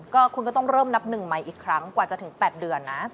ก็คุณก็ต้องเริ่มนับหนึ่งใหม่อีกครั้งกว่าจะถึง๘เดือนนะ